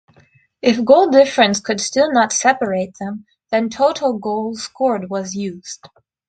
If goal difference could still not separate them, then total goals scored was used.